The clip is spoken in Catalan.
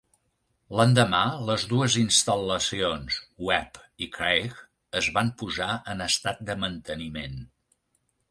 L'endemà, les dues instal·lacions, Webb i Craig, es van posar en estat de manteniment.